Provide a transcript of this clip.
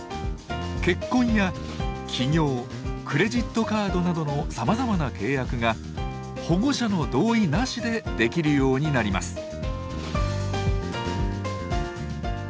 結婚や起業クレジットカードなどのさまざまな契約が保護者の同意なしでできるようになります。